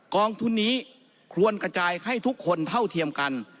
กองทุนนี้ควรกระจายให้ทุกคนเท่าเทียมกัน